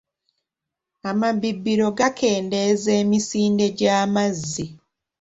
Amabibiro gakendeeza emisinde gy'amazzi.